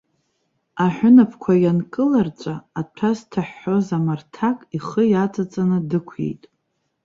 Аҳәынаԥкәа ианкылырҵәа, аҭәа зҭыҳәҳәоз амарҭак, ихы иаҵаҵаны дықәиеит.